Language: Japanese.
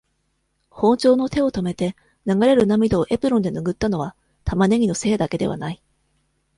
包丁の手を止めて、流れる涙をエプロンでぬぐったのは、タマネギのせいだけではない。